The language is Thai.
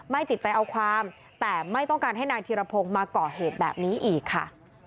ติดใจเอาความแต่ไม่ต้องการให้นายธีรพงศ์มาก่อเหตุแบบนี้อีกค่ะ